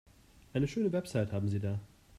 Eine schöne Website haben Sie da.